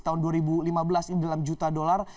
tahun dua ribu lima belas ini dalam juta dolar